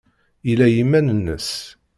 Yella i yiman-nnes.